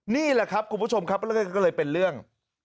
นี่แหละครับคุณผู้ชมครับแล้วก็เลยเป็นเรื่อง